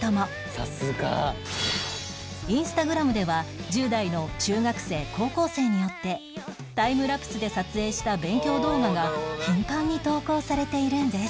「さすが」Ｉｎｓｔａｇｒａｍ では１０代の中学生高校生によってタイムラプスで撮影した勉強動画が頻繁に投稿されているんです